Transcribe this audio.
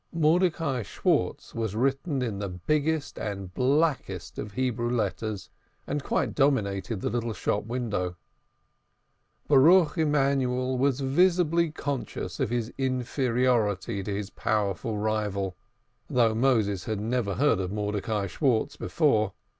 Mordecai Schwartz was written in the biggest and blackest of Hebrew letters, and quite dominated the little shop window. Baruch Emanuel was visibly conscious of his inferiority, to his powerful rival, though Moses had never heard of Mordecai Schwartz before.